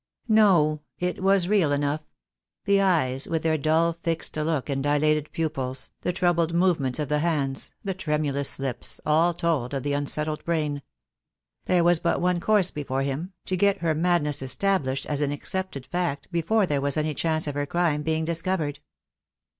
No, it was real enough. The eyes, with their dull fixed look and dilated pupils, the troubled movements of the hands, the tremulous lips, all told of the unsettled brain. There was but one course before him, to get her THE DAY WILL COME. 25 I madness established as an accepted fact before there was any chance of her crime being discovered.